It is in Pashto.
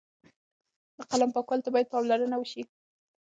د قلم پاکوالۍ ته باید پاملرنه وشي.